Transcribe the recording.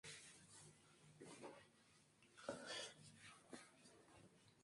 El Colorado entra en el estado de Arizona procedente de Utah.